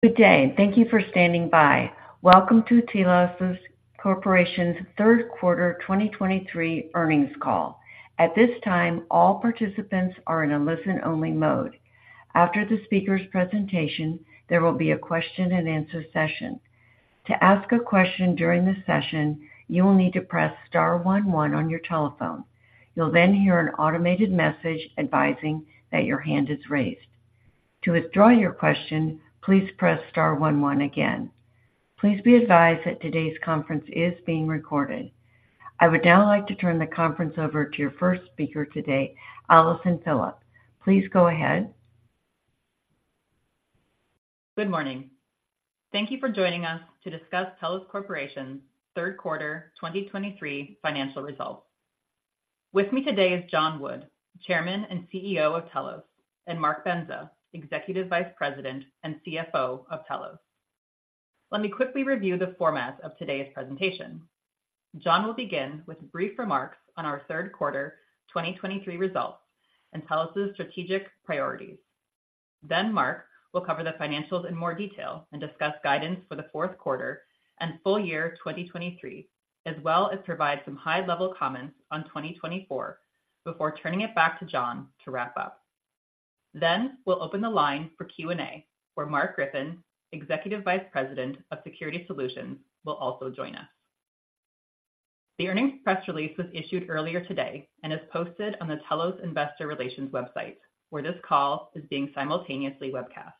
Good day, and thank you for standing by. Welcome to Telos Corporation's Third Quarter 2023 Earnings Call. At this time, all participants are in a listen-only mode. After the speaker's presentation, there will be a question-and-answer session. To ask a question during the session, you will need to press star one one on your telephone. You'll then hear an automated message advising that your hand is raised. To withdraw your question, please press star one one again. Please be advised that today's conference is being recorded. I would now like to turn the conference over to your first speaker today, Allison Phillipp. Please go ahead. Good morning. Thank you for joining us to discuss Telos Corporation's Third Quarter 2023 Financial Results. With me today is John Wood, Chairman and CEO of Telos, and Mark Bendza, Executive Vice President and CFO of Telos. Let me quickly review the format of today's presentation. John will begin with brief remarks on our third quarter 2023 results and Telos's strategic priorities. Then Mark will cover the financials in more detail and discuss guidance for the fourth quarter and full year 2023, as well as provide some high-level comments on 2024 before turning it back to John to wrap up. Then we'll open the line for Q&A, where Mark Griffin, Executive Vice President of Security Solutions, will also join us. The earnings press release was issued earlier today and is posted on the Telos Investor Relations website, where this call is being simultaneously webcast.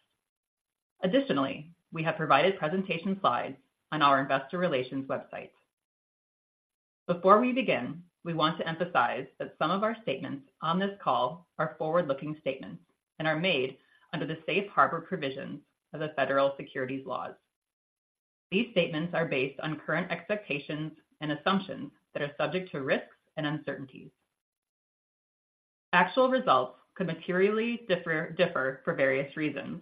Additionally, we have provided presentation slides on our investor relations website. Before we begin, we want to emphasize that some of our statements on this call are forward-looking statements and are made under the safe harbor provisions of the federal securities laws. These statements are based on current expectations and assumptions that are subject to risks and uncertainties. Actual results could materially differ for various reasons,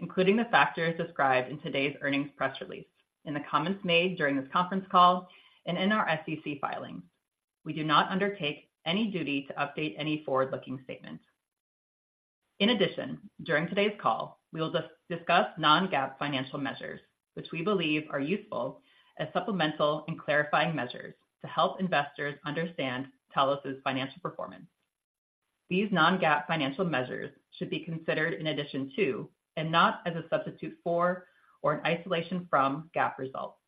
including the factors described in today's earnings press release, in the comments made during this conference call, and in our SEC filings. We do not undertake any duty to update any forward-looking statements. In addition, during today's call, we will discuss non-GAAP financial measures, which we believe are useful as supplemental and clarifying measures to help investors understand Telos's financial performance. These non-GAAP financial measures should be considered in addition to, and not as a substitute for or in isolation from GAAP results.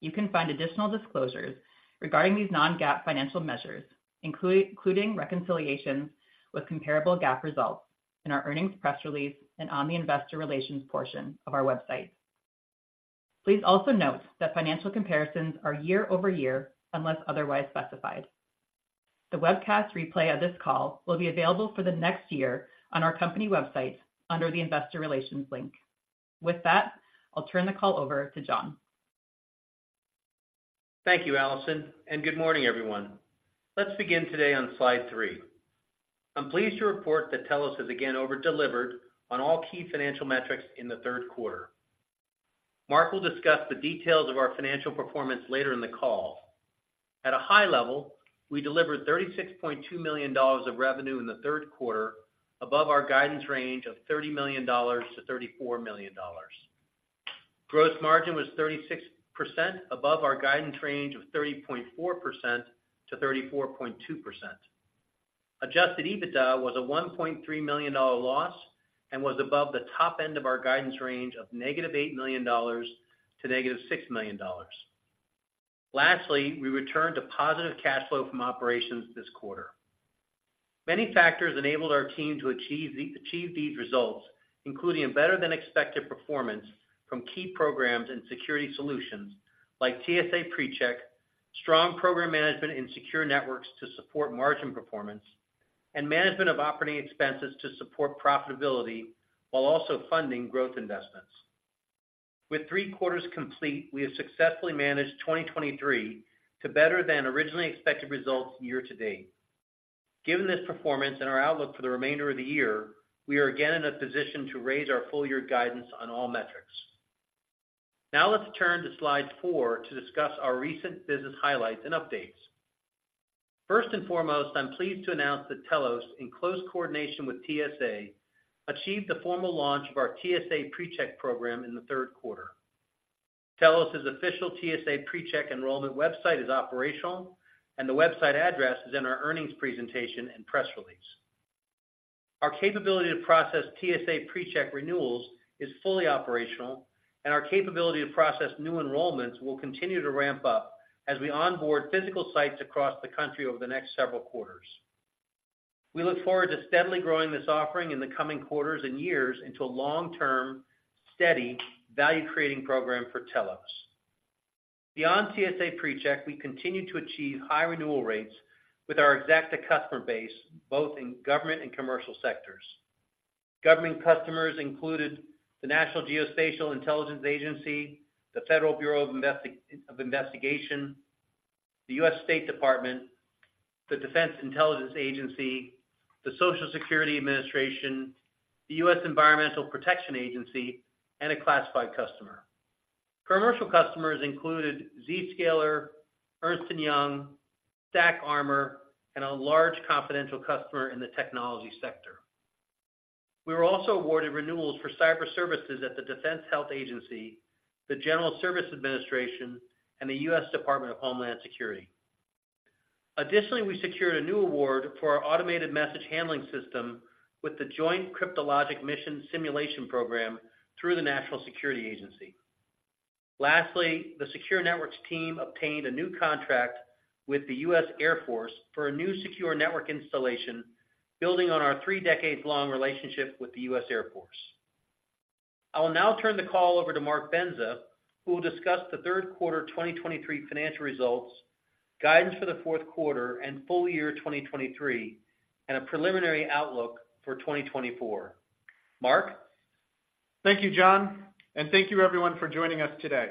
You can find additional disclosures regarding these Non-GAAP financial measures, including reconciliations with comparable GAAP results in our earnings press release and on the investor relations portion of our website. Please also note that financial comparisons are year-over-year, unless otherwise specified. The webcast replay of this call will be available for the next year on our company website under the Investor Relations link. With that, I'll turn the call over to John. Thank you, Allison, and good morning, everyone. Let's begin today on slide three. I'm pleased to report that Telos has again over-delivered on all key financial metrics in the third quarter. Mark will discuss the details of our financial performance later in the call. At a high level, we delivered $36.2 million of revenue in the third quarter, above our guidance range of $30 million-$34 million. Gross margin was 36%, above our guidance range of 30.4%-34.2%. Adjusted EBITDA was a $1.3 million loss and was above the top end of our guidance range of -$8 million to -$6 million. Lastly, we returned to positive cash flow from operations this quarter. Many factors enabled our team to achieve these results, including a better-than-expected performance from key programs and security solutions like TSA PreCheck, strong program management and secure networks to support margin performance, and management of operating expenses to support profitability while also funding growth investments. With three quarters complete, we have successfully managed 2023 to better than originally expected results year to date. Given this performance and our outlook for the remainder of the year, we are again in a position to raise our full year guidance on all metrics. Now let's turn to slide four to discuss our recent business highlights and updates. First and foremost, I'm pleased to announce that Telos, in close coordination with TSA, achieved the formal launch of our TSA PreCheck program in the third quarter. Telos' official TSA PreCheck enrollment website is operational, and the website address is in our earnings presentation and press release. Our capability to process TSA PreCheck renewals is fully operational, and our capability to process new enrollments will continue to ramp up as we onboard physical sites across the country over the next several quarters. We look forward to steadily growing this offering in the coming quarters and years into a long-term, steady, value-creating program for Telos. Beyond TSA PreCheck, we continue to achieve high renewal rates with our exact customer base, both in government and commercial sectors. Government customers included the National Geospatial-Intelligence Agency, the Federal Bureau of Investigation, the U.S. State Department, the Defense Intelligence Agency, the Social Security Administration, the U.S. Environmental Protection Agency, and a classified customer.... Commercial customers included Zscaler, Ernst & Young, stackArmor, and a large confidential customer in the technology sector. We were also awarded renewals for cyber services at the Defense Health Agency, the General Services Administration, and the U.S. Department of Homeland Security. Additionally, we secured a new award for our automated message handling system with the Joint Cryptologic Mission Simulation Program through the National Security Agency. Lastly, the Secure Networks team obtained a new contract with the U.S. Air Force for a new secure network installation, building on our three-decade-long relationship with the U.S. Air Force. I will now turn the call over to Mark Bendza, who will discuss the third quarter 2023 financial results, guidance for the fourth quarter and full year 2023, and a preliminary outlook for 2024. Mark? Thank you, John, and thank you everyone for joining us today.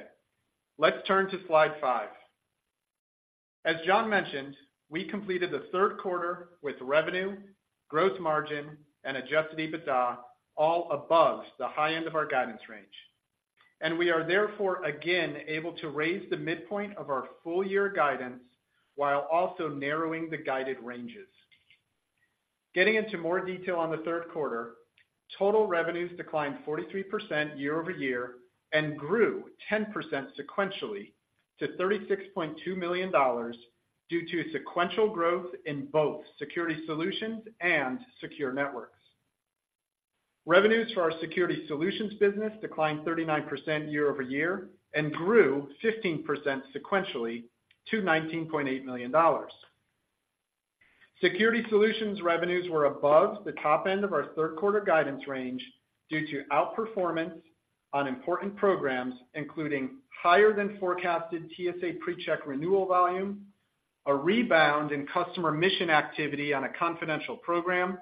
Let's turn to slide five. As John mentioned, we completed the third quarter with revenue, growth margin, and Adjusted EBITDA, all above the high end of our guidance range, and we are therefore again able to raise the midpoint of our full-year guidance while also narrowing the guided ranges. Getting into more detail on the third quarter, total revenues declined 43% year-over-year and grew 10% sequentially to $36.2 million, due to sequential growth in both Security Solutions and Secure Networks. Revenues for our Security Solutions business declined 39% year-over-year and grew 15% sequentially to $19.8 million. Security Solutions revenues were above the top end of our third quarter guidance range due to outperformance on important programs, including higher than forecasted TSA PreCheck renewal volume, a rebound in customer mission activity on a confidential program,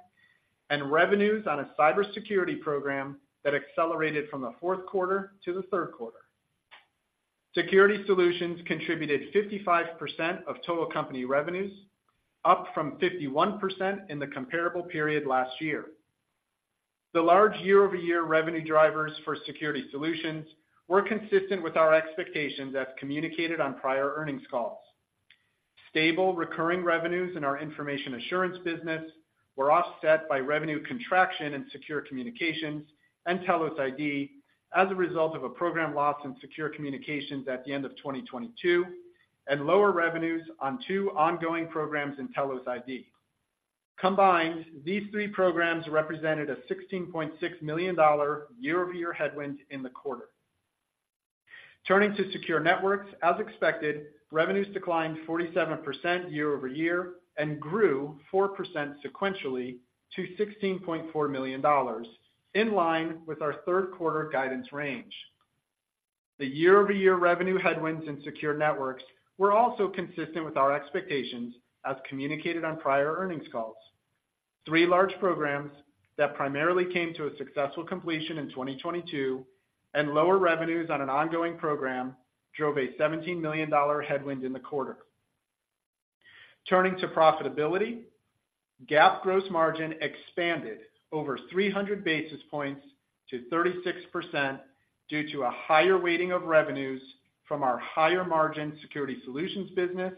and revenues on a cybersecurity program that accelerated from the fourth quarter to the third quarter. Security Solutions contributed 55% of total company revenues, up from 51% in the comparable period last year. The large year-over-year revenue drivers for Security Solutions were consistent with our expectations as communicated on prior earnings calls. Stable, recurring revenues in our information assurance business were offset by revenue contraction in secure communications and Telos ID as a result of a program loss in secure communications at the end of 2022, and lower revenues on two ongoing programs in Telos ID. Combined, these three programs represented a $16.6 million year-over-year headwind in the quarter. Turning to Secure Networks, as expected, revenues declined 47% year-over-year and grew 4% sequentially to $16.4 million, in line with our third quarter guidance range. The year-over-year revenue headwinds in Secure Networks were also consistent with our expectations as communicated on prior earnings calls. Three large programs that primarily came to a successful completion in 2022 and lower revenues on an ongoing program drove a $17 million headwind in the quarter. Turning to profitability, GAAP gross margin expanded over 300 basis points to 36% due to a higher weighting of revenues from our higher-margin Security Solutions business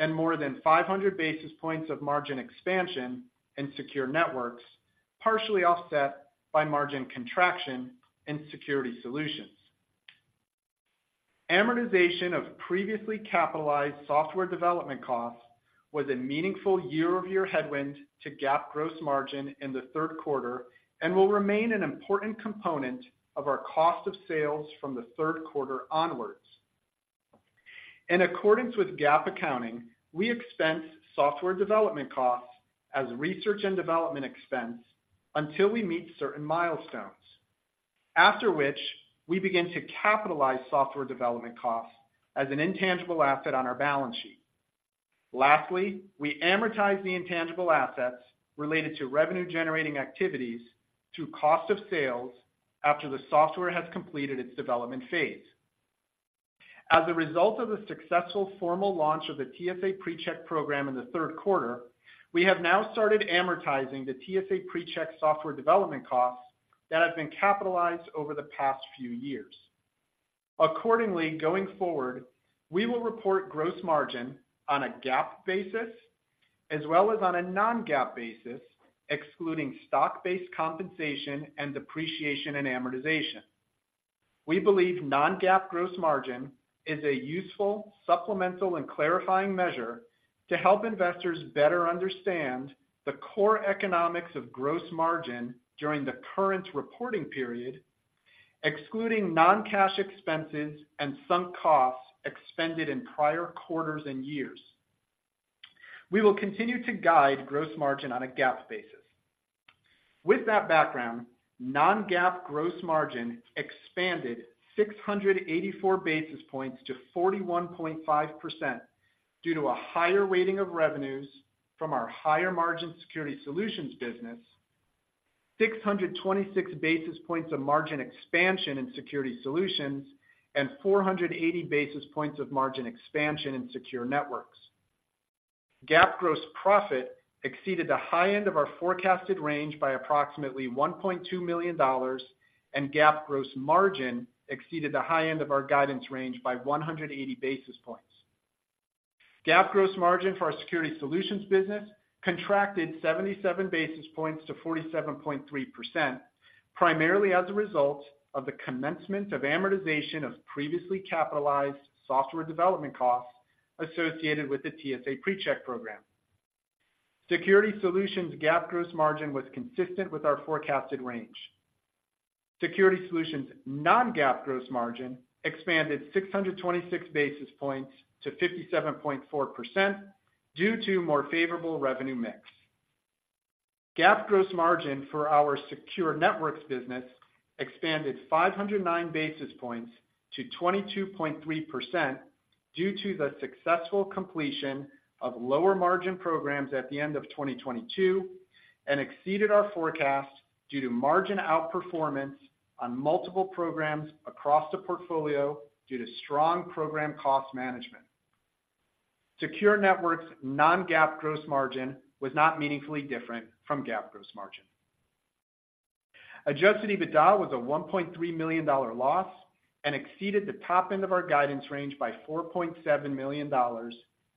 and more than 500 basis points of margin expansion in Secure Networks, partially offset by margin contraction in Security Solutions. Amortization of previously capitalized software development costs was a meaningful year-over-year headwind to GAAP gross margin in the third quarter and will remain an important component of our cost of sales from the third quarter onwards. In accordance with GAAP accounting, we expense software development costs as research and development expense until we meet certain milestones, after which we begin to capitalize software development costs as an intangible asset on our balance sheet. Lastly, we amortize the intangible assets related to revenue-generating activities to cost of sales after the software has completed its development phase. As a result of the successful formal launch of the TSA PreCheck program in the third quarter, we have now started amortizing the TSA PreCheck software development costs that have been capitalized over the past few years. Accordingly, going forward, we will report gross margin on a GAAP basis as well as on a non-GAAP basis, excluding stock-based compensation and depreciation and amortization. We believe non-GAAP gross margin is a useful, supplemental, and clarifying measure to help investors better understand the core economics of gross margin during the current reporting period, excluding non-cash expenses and some costs expended in prior quarters and years. We will continue to guide gross margin on a GAAP basis. With that background, non-GAAP gross margin expanded 684 basis points to 41.5% due to a higher weighting of revenues from our higher-margin Security Solutions business, 626 basis points of margin expansion in Security Solutions, and 480 basis points of margin expansion in Secure Networks. GAAP gross profit exceeded the high end of our forecasted range by approximately $1.2 million, and GAAP gross margin exceeded the high end of our guidance range by 180 basis points. GAAP gross margin for our Security Solutions business contracted 77 basis points to 47.3%, primarily as a result of the commencement of amortization of previously capitalized software development costs associated with the TSA PreCheck program. Security Solutions GAAP gross margin was consistent with our forecasted range. Security Solutions non-GAAP gross margin expanded 626 basis points to 57.4% due to more favorable revenue mix. GAAP gross margin for our Secure Networks business expanded 509 basis points to 22.3% due to the successful completion of lower margin programs at the end of 2022, and exceeded our forecast due to margin outperformance on multiple programs across the portfolio due to strong program cost management. Secure Networks non-GAAP gross margin was not meaningfully different from GAAP gross margin. Adjusted EBITDA was a $1.3 million loss and exceeded the top end of our guidance range by $4.7 million,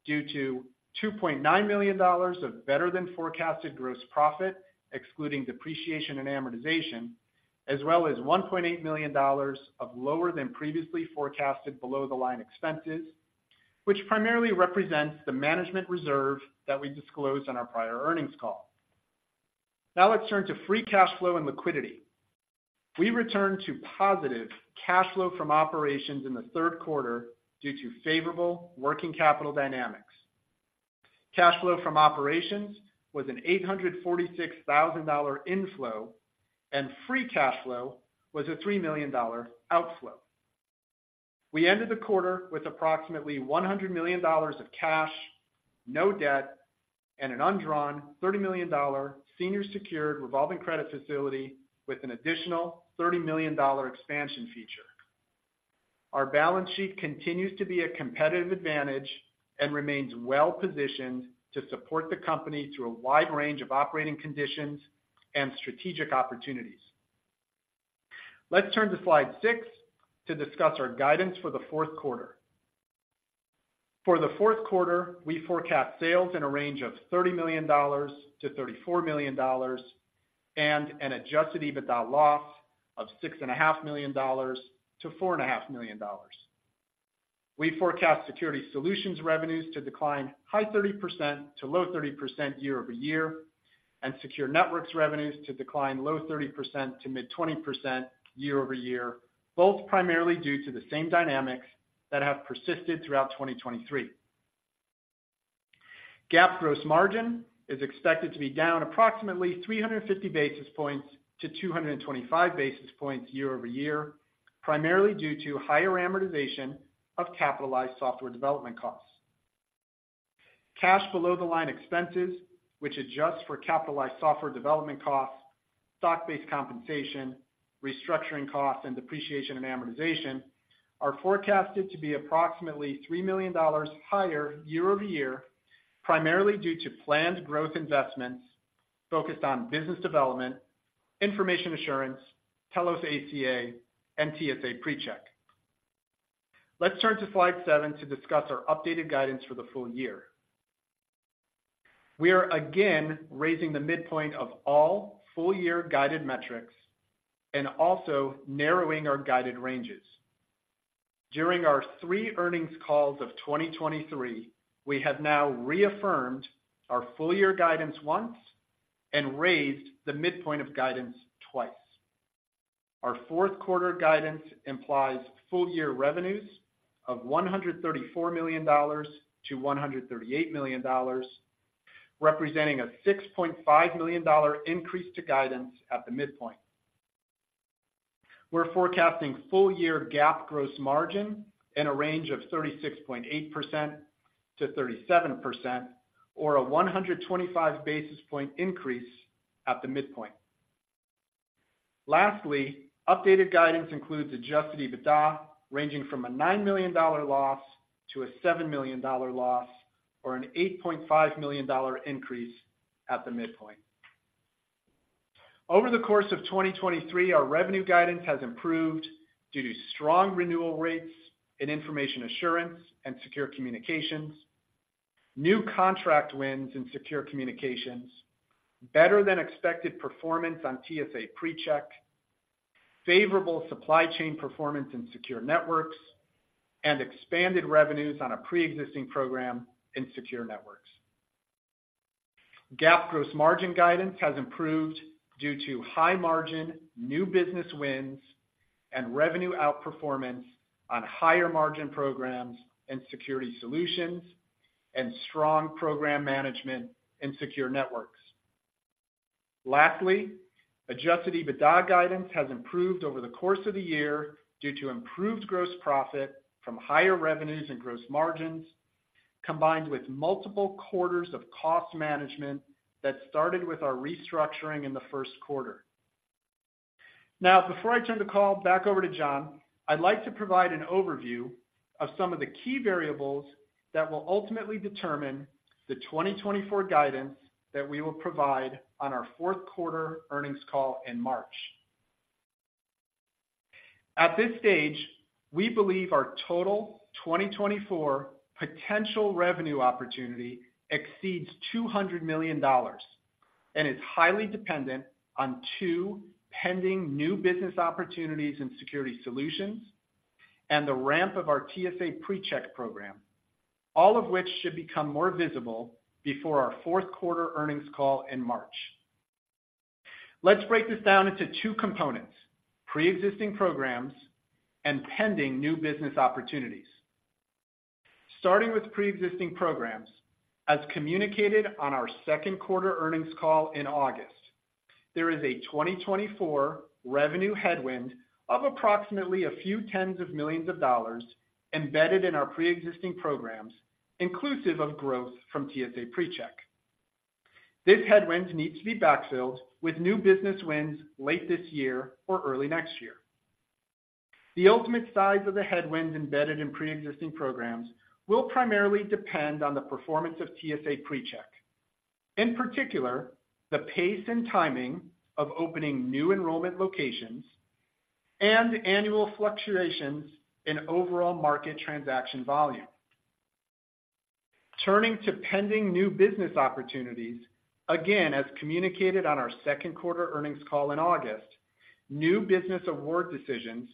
due to $2.9 million of better-than-forecasted gross profit, excluding depreciation and amortization, as well as $1.8 million of lower than previously forecasted below-the-line expenses, which primarily represents the management reserve that we disclosed on our prior earnings call. Now let's turn to free cash flow and liquidity. We returned to positive cash flow from operations in the third quarter due to favorable working capital dynamics. Cash flow from operations was an $846,000 inflow, and free cash flow was a $3 million outflow. We ended the quarter with approximately $100 million of cash, no debt, and an undrawn $30 million senior secured revolving credit facility with an additional $30 million expansion feature. Our balance sheet continues to be a competitive advantage and remains well-positioned to support the company through a wide range of operating conditions and strategic opportunities. Let's turn to slide 6 to discuss our guidance for the fourth quarter. For the fourth quarter, we forecast sales in a range of $30 million-$34 million and an adjusted EBITDA loss of $6.5 million-$4.5 million. We forecast Security Solutions revenues to decline high 30% to low 30% year-over-year, and Secure Networks revenues to decline low 30% to mid-20% year-over-year, both primarily due to the same dynamics that have persisted throughout 2023. GAAP gross margin is expected to be down approximately 350 basis points to 225 basis points year-over-year, primarily due to higher amortization of capitalized software development costs. Cash below the line expenses, which adjusts for capitalized software development costs, stock-based compensation, restructuring costs, and depreciation and amortization, are forecasted to be approximately $3 million higher year-over-year, primarily due to planned growth investments focused on business development, information assurance, Telos ACA, and TSA PreCheck. Let's turn to slide seven to discuss our updated guidance for the full year. We are again raising the midpoint of all full-year guided metrics and also narrowing our guided ranges. During our three earnings calls of 2023, we have now reaffirmed our full-year guidance once and raised the midpoint of guidance twice. Our fourth quarter guidance implies full-year revenues of $134 million-$138 million, representing a $6.5 million increase to guidance at the midpoint. We're forecasting full-year GAAP gross margin in a range of 36.8%-37%, or a 125 basis point increase at the midpoint. Lastly, updated guidance includes Adjusted EBITDA ranging from a $9 million loss to a $7 million loss, or an $8.5 million increase at the midpoint. Over the course of 2023, our revenue guidance has improved due to strong renewal rates in information assurance and secure communications, new contract wins in secure communications, better-than-expected performance on TSA PreCheck, favorable supply chain performance in Secure Networks, and expanded revenues on a pre-existing program in Secure Networks. GAAP gross margin guidance has improved due to high-margin new business wins and revenue outperformance on higher-margin programs in Security Solutions, and strong program management in Secure Networks. Lastly, adjusted EBITDA guidance has improved over the course of the year due to improved gross profit from higher revenues and gross margins, combined with multiple quarters of cost management that started with our restructuring in the first quarter. Now, before I turn the call back over to John, I'd like to provide an overview of some of the key variables that will ultimately determine the 2024 guidance that we will provide on our fourth quarter earnings call in March. At this stage, we believe our total 2024 potential revenue opportunity exceeds $200 million and is highly dependent on two pending new business opportunities in Security Solutions and the ramp of our TSA PreCheck program, all of which should become more visible before our fourth quarter earnings call in March. Let's break this down into two components: pre-existing programs and pending new business opportunities. Starting with pre-existing programs, as communicated on our second quarter earnings call in August, there is a 2024 revenue headwind of approximately $ a few tens of millions embedded in our pre-existing programs, inclusive of growth from TSA PreCheck. This headwind needs to be backfilled with new business wins late this year or early next year. The ultimate size of the headwind embedded in pre-existing programs will primarily depend on the performance of TSA PreCheck, in particular, the pace and timing of opening new enrollment locations and annual fluctuations in overall market transaction volume. Turning to pending new business opportunities, again, as communicated on our second quarter earnings call in August, new business award decisions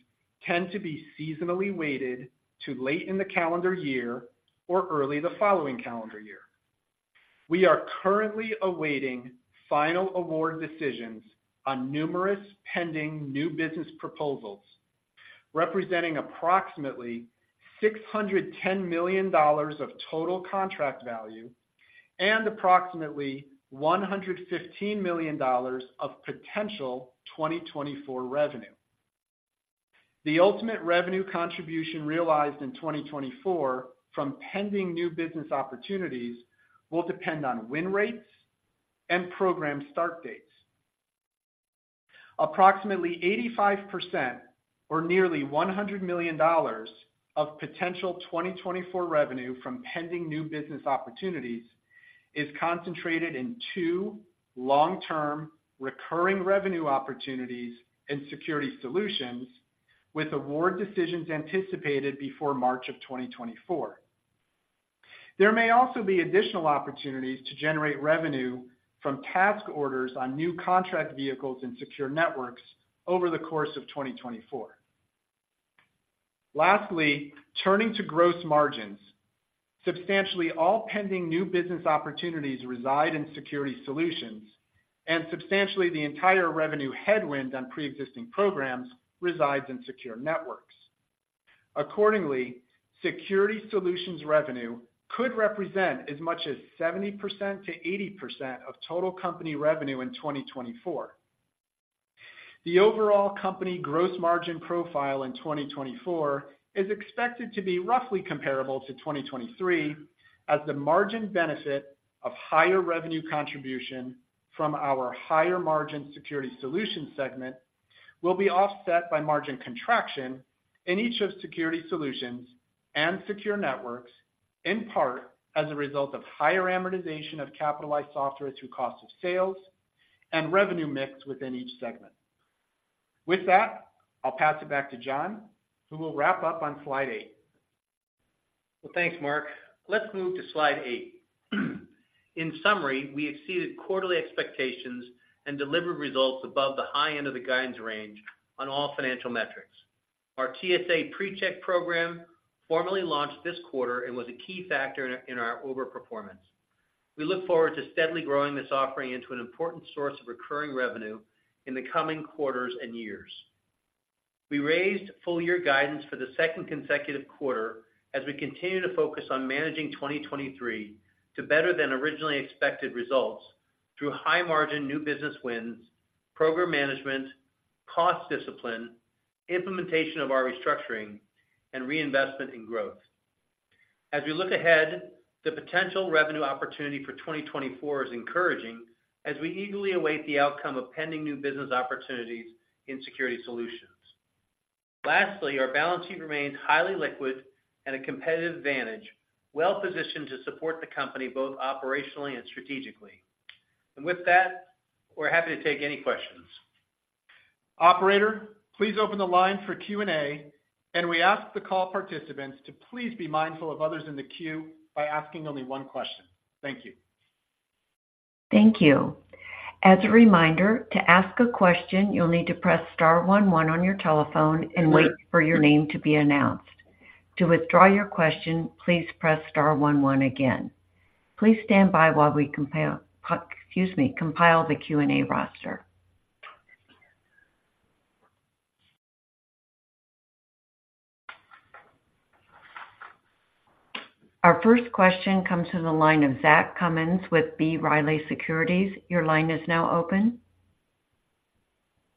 tend to be seasonally weighted to late in the calendar year or early the following calendar year. We are currently awaiting final award decisions on numerous pending new business proposals, representing approximately $610 million of total contract value and approximately $115 million of potential 2024 revenue. The ultimate revenue contribution realized in 2024 from pending new business opportunities will depend on win rates and program start dates. Approximately 85% or nearly $100 million of potential 2024 revenue from pending new business opportunities is concentrated in two long-term, recurring revenue opportunities in Security Solutions, with award decisions anticipated before March of 2024. There may also be additional opportunities to generate revenue from task orders on new contract vehicles and Secure Networks over the course of 2024. Lastly, turning to gross margins, substantially all pending new business opportunities reside in Security Solutions, and substantially the entire revenue headwind on pre-existing programs resides in Secure Networks. Accordingly, Security Solutions revenue could represent as much as 70%-80% of total company revenue in 2024. The overall company gross margin profile in 2024 is expected to be roughly comparable to 2023, as the margin benefit of higher revenue contribution from our higher margin Security Solutions segment will be offset by margin contraction in each of Security Solutions and Secure Networks, in part as a result of higher amortization of capitalized software through cost of sales and revenue mix within each segment. With that, I'll pass it back to John, who will wrap up on slide eight. Well, thanks, Mark. Let's move to slide eight. In summary, we exceeded quarterly expectations and delivered results above the high end of the guidance range on all financial metrics. Our TSA PreCheck program formally launched this quarter and was a key factor in our overperformance. We look forward to steadily growing this offering into an important source of recurring revenue in the coming quarters and years. We raised full-year guidance for the second consecutive quarter as we continue to focus on managing 2023 to better than originally expected results through high-margin new business wins, program management, cost discipline, implementation of our restructuring, and reinvestment in growth. As we look ahead, the potential revenue opportunity for 2024 is encouraging as we eagerly await the outcome of pending new business opportunities in Security Solutions. Lastly, our balance sheet remains highly liquid and a competitive advantage, well positioned to support the company both operationally and strategically. And with that, we're happy to take any questions. Operator, please open the line for Q&A, and we ask the call participants to please be mindful of others in the queue by asking only one question. Thank you. Thank you. As a reminder, to ask a question, you'll need to press star one one on your telephone and wait for your name to be announced. To withdraw your question, please press star one one again. Please stand by while we compare, excuse me, compile the Q&A roster. Our first question comes to the line of Zach Cummins with B. Riley Securities. Your line is now open.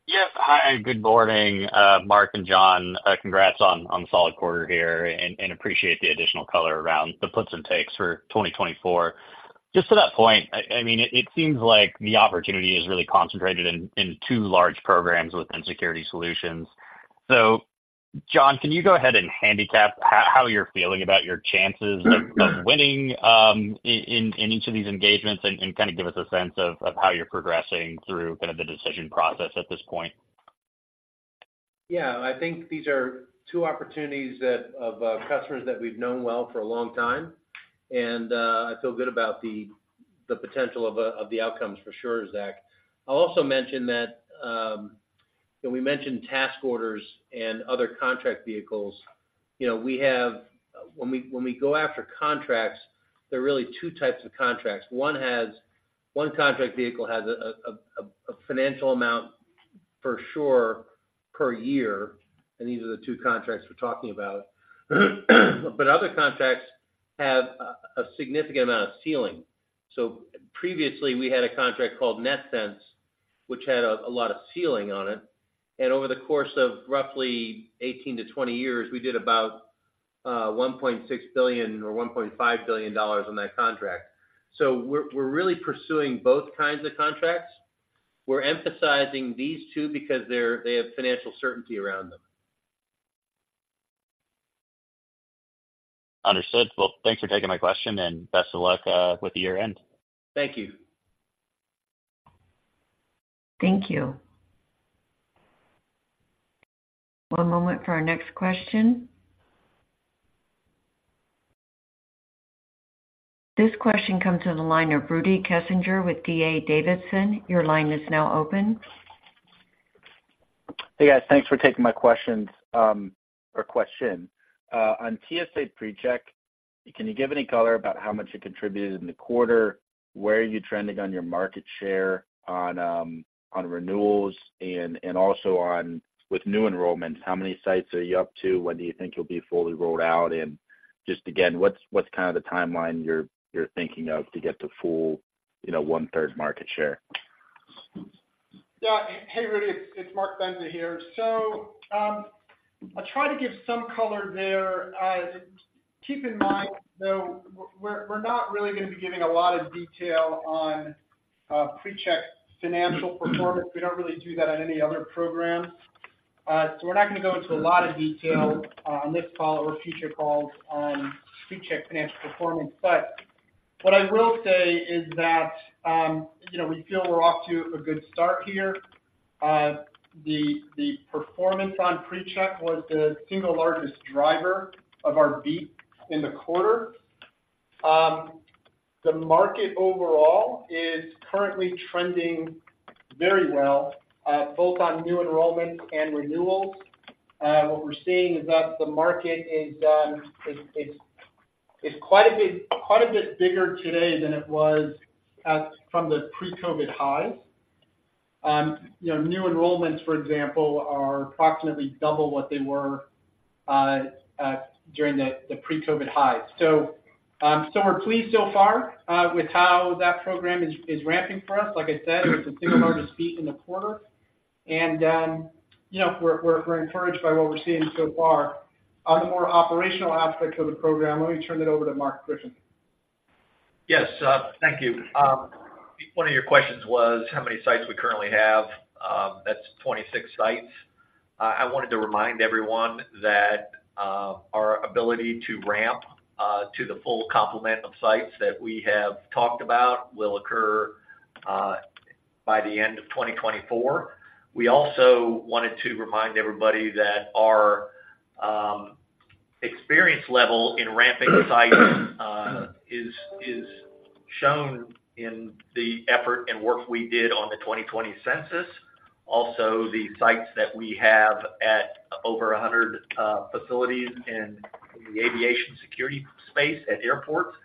Yes. Hi, and good morning, Mark and John. Congrats on the solid quarter here and appreciate the additional color around the puts and takes for 2024. Just to that point, I mean, it seems like the opportunity is really concentrated in two large programs within Security Solutions. So John, can you go ahead and handicap how you're feeling about your chances of winning in each of these engagements and kind of give us a sense of how you're progressing through kind of the decision process at this point? Yeah, I think these are two opportunities that of customers that we've known well for a long time. And I feel good about the potential of the outcomes for sure, Zach. I'll also mention that when we mentioned task orders and other contract vehicles, you know, we have when we go after contracts, they're really two types of contracts. One has one contract vehicle has a financial amount for sure per year, and these are the two contracts we're talking about. But other contracts have a significant amount of ceiling. So previously, we had a contract called NETCENTS, which had a lot of ceiling on it, and over the course of roughly 18-20 years, we did about $1.6 billion or $1.5 billion on that contract. So we're really pursuing both kinds of contracts. We're emphasizing these two because they have financial certainty around them. Understood. Well, thanks for taking my question, and best of luck with the year-end. Thank you. Thank you. One moment for our next question. This question comes from the line of Rudy Kessinger with D.A. Davidson. Your line is now open. Hey, guys. Thanks for taking my questions or question. On TSA PreCheck, can you give any color about how much it contributed in the quarter? Where are you trending on your market share on renewals and also on new enrollments, how many sites are you up to? When do you think you'll be fully rolled out? And just again, what's kind of the timeline you're thinking of to get to full, you know, one-third market share? Yeah. Hey, Rudy, it's Mark Bendza here. So, I'll try to give some color there. Keep in mind, though, we're not really going to be giving a lot of detail on PreCheck financial performance. We don't really do that on any other program. So we're not gonna go into a lot of detail on this call or future calls on PreCheck financial performance. But what I will say is that, you know, we feel we're off to a good start here. The performance on PreCheck was the single largest driver of our beat in the quarter. The market overall is currently trending very well, both on new enrollments and renewals. What we're seeing is that the market is quite a bit bigger today than it was from the pre-COVID highs. You know, new enrollments, for example, are approximately double what they were during the pre-COVID highs. So, so we're pleased so far with how that program is ramping for us. Like I said, it was the single largest beat in the quarter. And, you know, we're encouraged by what we're seeing so far. On the more operational aspects of the program, let me turn it over to Mark Griffin. Yes, thank you. One of your questions was how many sites we currently have. That's 26 sites. I wanted to remind everyone that our ability to ramp to the full complement of sites that we have talked about will occur by the end of 2024. We also wanted to remind everybody that our experience level in ramping sites is shown in the effort and work we did on the 2020 census, also the sites that we have at over 100 facilities in the aviation security space at airports,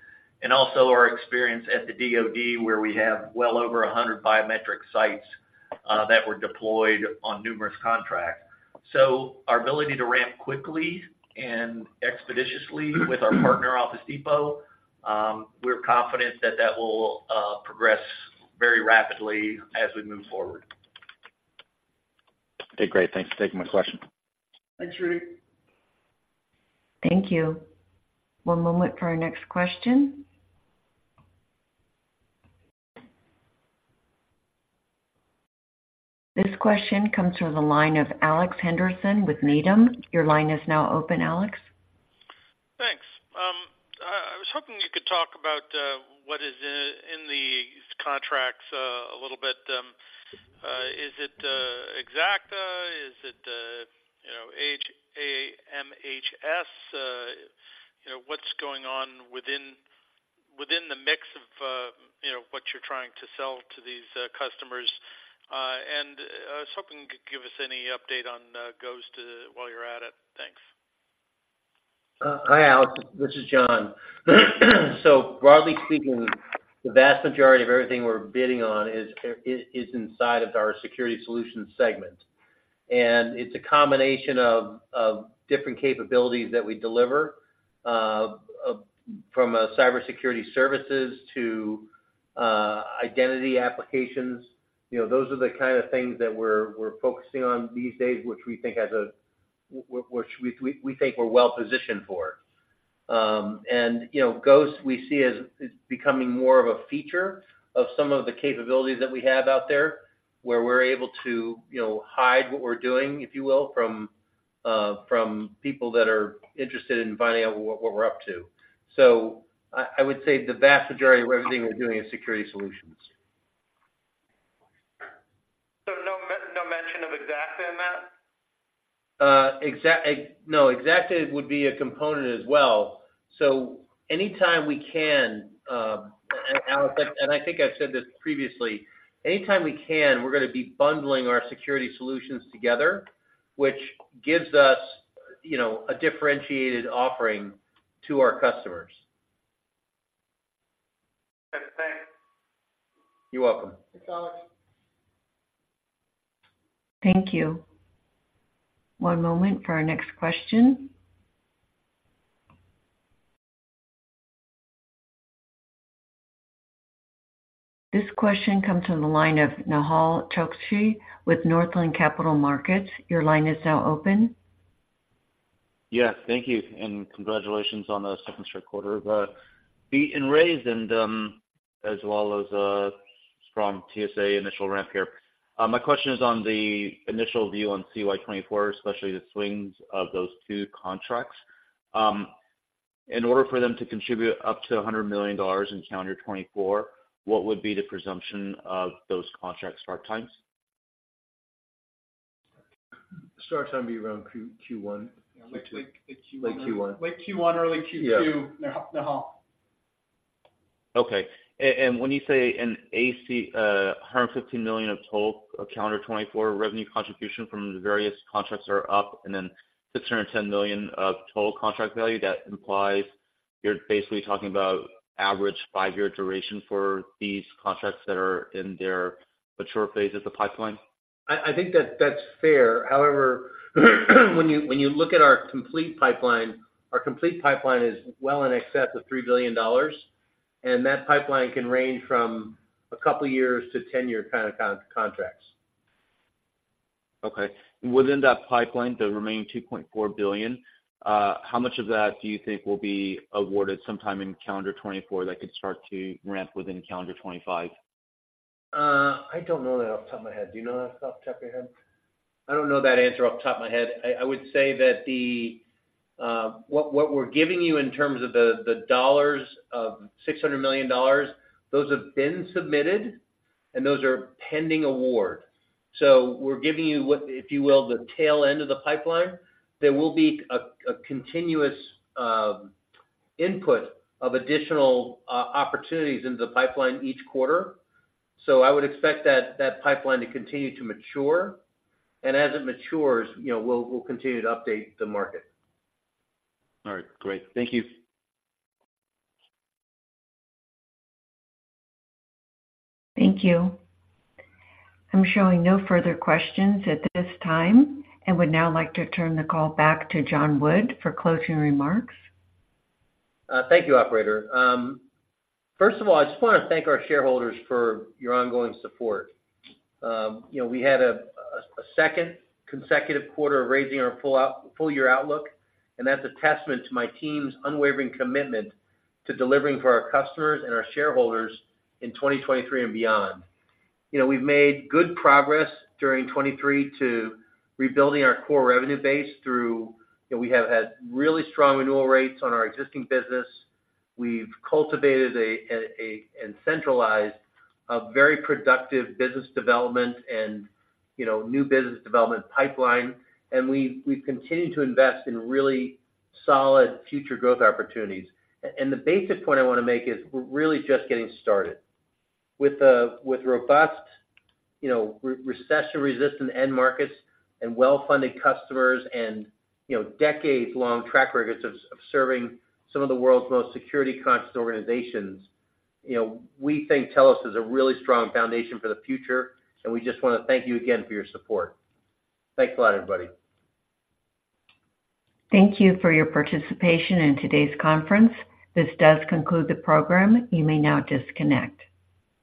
and also our experience at the DoD, where we have well over 100 biometric sites that were deployed on numerous contracts. So our ability to ramp quickly and expeditiously with our partner, Office Depot, we're confident that that will progress very rapidly as we move forward. Okay, great. Thanks for taking my question. Thanks, Rudy. Thank you. One moment for our next question. This question comes from the line of Alex Henderson with Needham. Your line is now open, Alex. Thanks. I was hoping you could talk about what is in the contracts a little bit. Is it Xacta? Is it, you know, A-M-H-S? You know, what's going on within the mix of, you know, what you're trying to sell to these customers? And I was hoping you could give us any update on Ghost, while you're at it. Thanks. Hi, Alex, this is John. So broadly speaking, the vast majority of everything we're bidding on is inside of our Security Solutions segment. And it's a combination of different capabilities that we deliver from cybersecurity services to... Identity applications, you know, those are the kind of things that we're focusing on these days, which we think we're well positioned for. And, you know, Ghost, we see as becoming more of a feature of some of the capabilities that we have out there, where we're able to, you know, hide what we're doing, if you will, from people that are interested in finding out what we're up to. So I would say the vast majority of everything we're doing is Security Solutions. So no mention of Xacta in that? Xacta would be a component as well. So anytime we can, and Alex, and I think I've said this previously, anytime we can, we're gonna be bundling our security solutions together, which gives us, you know, a differentiated offering to our customers. Okay, thanks. You're welcome. Thanks, Alex. Thank you. One moment for our next question. This question comes from the line of Nehal Chokshi with Northland Capital Markets. Your line is now open. Yes, thank you, and congratulations on the second straight quarter of the raised and as well as strong TSA initial ramp here. My question is on the initial view on CY 2024, especially the swings of those two contracts. In order for them to contribute up to $100 million in calendar 2024, what would be the presumption of those contract start times? Start time be around Q, Q1. Yeah, like, like Q1. Like Q1. Like Q1 or like Q2- Yeah. Nehal, Nehal. Okay. And when you say an ACA, $150 million of total calendar 2024 revenue contribution from the various contracts are up, and then $610 million of total contract value, that implies you're basically talking about average five year duration for these contracts that are in their mature phase of the pipeline? I think that's fair. However, when you look at our complete pipeline, our complete pipeline is well in excess of $3 billion, and that pipeline can range from a couple of years to ten-year kinda contracts. Okay. Within that pipeline, the remaining $2.4 billion, how much of that do you think will be awarded sometime in calendar 2024, that could start to ramp within calendar 2025? I don't know that off the top of my head. Do you know that off the top of your head? I don't know that answer off the top of my head. I would say that what we're giving you in terms of the dollars of $600 million, those have been submitted, and those are pending award. So we're giving you what, if you will, the tail end of the pipeline. There will be a continuous input of additional opportunities into the pipeline each quarter. So I would expect that pipeline to continue to mature, and as it matures, you know, we'll continue to update the market. All right, great. Thank you. Thank you. I'm showing no further questions at this time, and would now like to turn the call back to John Wood for closing remarks. Thank you, operator. First of all, I just wanna thank our shareholders for your ongoing support. You know, we had a second consecutive quarter of raising our full-year outlook, and that's a testament to my team's unwavering commitment to delivering for our customers and our shareholders in 2023 and beyond. You know, we've made good progress during 2023 to rebuilding our core revenue base through, you know, we have had really strong renewal rates on our existing business. We've cultivated and centralized a very productive business development and, you know, new business development pipeline, and we've continued to invest in really solid future growth opportunities. And the basic point I wanna make is, we're really just getting started. With robust, you know, recession-resistant end markets and well-funded customers and, you know, decades-long track records of serving some of the world's most security-conscious organizations, you know, we think Telos is a really strong foundation for the future, and we just wanna thank you again for your support. Thanks a lot, everybody. Thank you for your participation in today's conference. This does conclude the program. You may now disconnect.